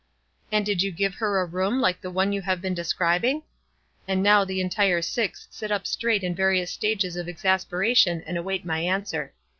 " And did you give her a room like the one you have been describing?" And now the en tire six sit up straight in various stages of ex » asperation, and await my answer.